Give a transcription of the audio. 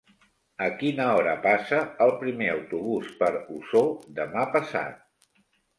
A quina hora passa el primer autobús per Osor demà passat?